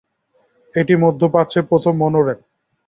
এটি মধ্য প্রাচ্যের প্রথম মনোরেল।